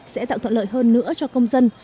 sẽ tạo thuận lợi hơn nữa cho công dân